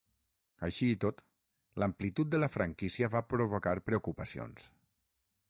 Així i tot, l'amplitud de la franquícia va provocar preocupacions.